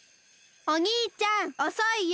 おにいちゃんおそいよ！